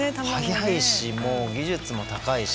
速いしもう技術も高いし。